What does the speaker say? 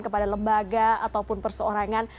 kepada lembaga ataupun perseorangan